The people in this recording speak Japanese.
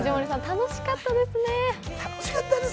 楽しかったですね。